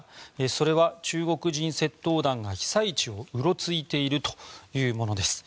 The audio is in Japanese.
それは、中国人窃盗団が被災地をうろついているというものです。